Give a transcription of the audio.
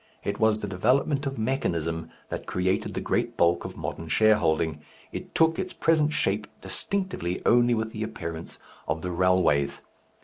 It was the development of mechanism that created the great bulk of modern shareholding, it took its present shape distinctively only with the appearance of the railways.